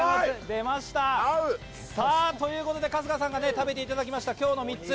うまい！合う！ということで春日さんが食べていただきました今日の３つ。